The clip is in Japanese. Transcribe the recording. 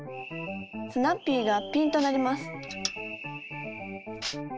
スナッピーがピンとなります。